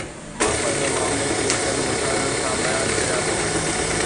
مان پنهنجي معاملي کي چند مشاهدن سان بيان ڪريان ٿو.